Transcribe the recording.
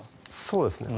そうですね。